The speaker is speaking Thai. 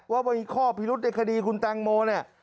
ว่ามีข้อพิรุษในคดีคุณแตงโมเนี่ย